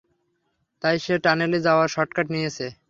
তাই সে টানেলে যাওয়ার শর্টকাট নিয়েছে।